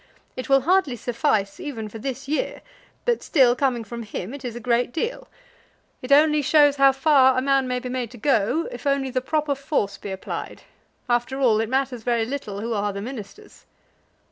It will hardly suffice even for this year; but still coming from him, it is a great deal. It only shows how far a man may be made to go, if only the proper force be applied. After all, it matters very little who are the Ministers."